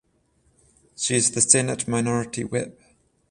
She is the Senate minority whip.